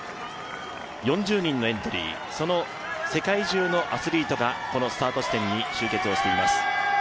４０人のエントリーその世界中のアスリートがこのスタート地点に集結をしています。